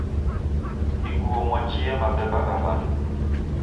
Iguo mwajie mabemba gha w'andu.